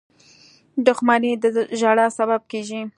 • دښمني د ژړا سبب کېږي.